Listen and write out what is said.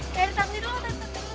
tari taksi dulu